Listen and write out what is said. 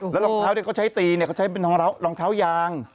แล้วรองเท้าที่เขาใช้ตีเนี่ยเขาใช้เป็นรองเท้ายาง